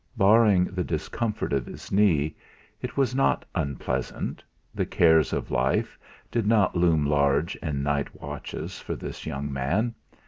Barring the discomfort of his knee, it was not unpleasant the cares of life did not loom large in night watches for this young man.